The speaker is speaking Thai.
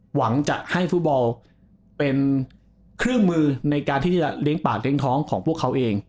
หวังจะให้ฟุตบอลเป็นเครื่องมือในการที่จะเลี้ยงปากเลี้ยงท้องของพวกเขาเอง